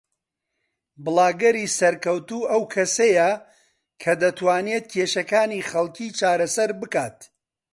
بڵاگەری سەرکەوتوو ئەو کەسەیە کە دەتوانێت کێشەکانی خەڵکی چارەسەر بکات